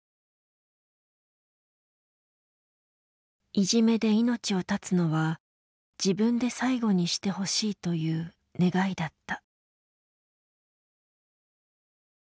いじめで命を絶つのは自分で最後にしてほしいという願いだった。